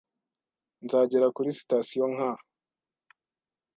Nzagera kuri sitasiyo nka